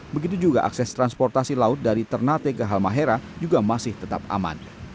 begitu juga akses transportasi laut dari ternate ke halmahera juga masih tetap aman